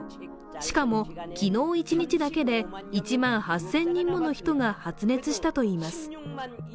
しかも昨日一日だけで１万８０００人もの人が発熱したといいます。